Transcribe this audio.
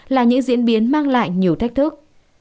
là những diễn biến mang lại nhiều thách thức